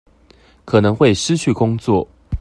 可能會失去工作